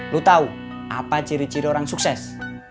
lu tahu apa ciri ciri orang sukses